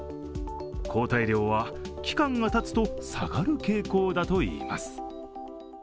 抗体量は期間がたつと下がる傾向だといいます。